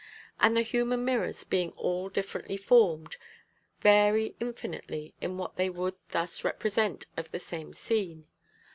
And the human mirrors being all differently formed, vary infinitely in what they would thus represent of the same scene.